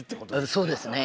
そうですね。